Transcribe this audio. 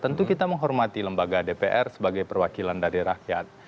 tentu kita menghormati lembaga dpr sebagai perwakilan dari rakyat